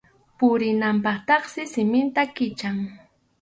Purinanpaqtaqsi siminta kichan.